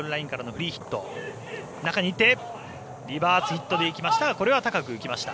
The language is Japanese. リバースヒットでいきましたがこれは高く浮きました。